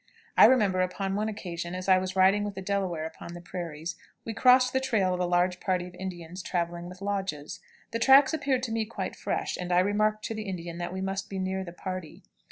I remember, upon one occasion, as I was riding with a Delaware upon the prairies, we crossed the trail of a large party of Indians traveling with lodges. The tracks appeared to me quite fresh, and I remarked to the Indian that we must be near the party.